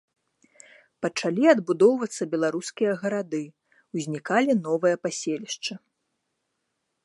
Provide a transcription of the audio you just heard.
Пачалі адбудоўвацца беларускія гарады, узнікалі новыя паселішчы.